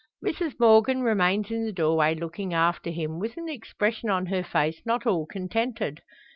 Mrs Morgan remains in the doorway looking after him, with an expression on her face not all contented.